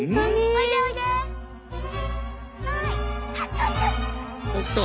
おいでおいで。来た。